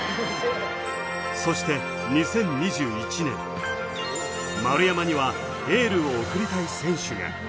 そして２０２１年、丸山にはエールを送りたい選手が。